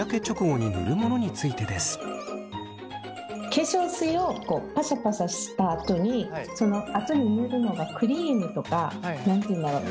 化粧水をパシャパシャしたあとにそのあとに塗るのがクリームとか何て言うんだろう